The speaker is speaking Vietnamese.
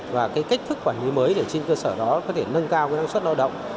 và cách thức quản lý mới để trên cơ sở đó có thể nâng cao năng suất lao động